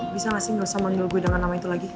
bisa gak sih gak usah manggil gue dengan nama itu lagi